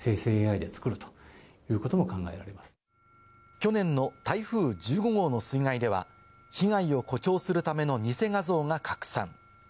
去年の台風１５号の水害では被害を誇張するための偽画像が拡散。